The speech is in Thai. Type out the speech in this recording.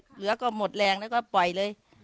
เหลือก็หมดแรงแล้วก็ปล่อยเลย